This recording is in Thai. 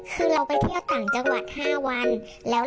คือเราไปเที่ยวต่างจังหวัด๕วัน